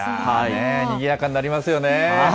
にぎやかになりますね。